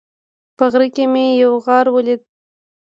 په غره کې مې یو غار ولید